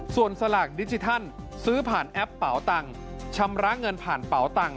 ส่วนสลากดิจิทัลซื้อผ่านแอปเป๋าตังค์ชำระเงินผ่านเป๋าตังค